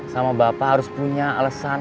sama bapak harus punya alasan